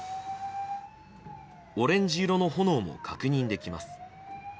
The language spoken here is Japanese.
オレンジ色の炎も確認できます。